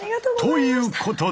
ということで。